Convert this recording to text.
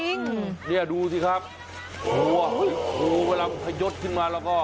จริงนี่ดูสิครับโอ้โหเวลามันพยดขึ้นมาแล้วก็